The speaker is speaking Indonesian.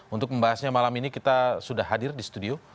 untuk membahasnya malam ini kita sudah hadir di studio